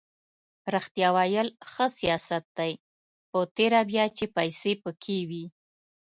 ریښتیا ویل ښه سیاست دی په تېره بیا چې پیسې پکې وي.